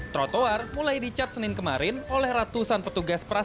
trotoar mulai dicat senin kemarin oleh ratusan petugas pras